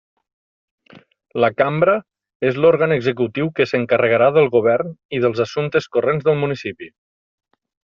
La Cambra és l'òrgan executiu que s'encarrega del govern i dels assumptes corrents del municipi.